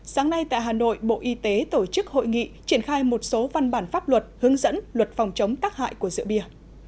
sáng nay tại hà nội bộ y tế tổ chức hội nghị triển khai một số văn bản pháp luật hướng dẫn luật phòng chống tắc hại của rượu bia